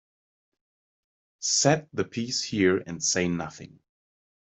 Set the piece here and say nothing.